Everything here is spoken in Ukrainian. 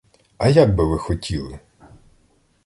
А як би ви хотіли?